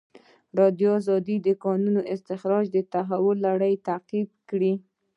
ازادي راډیو د د کانونو استخراج د تحول لړۍ تعقیب کړې.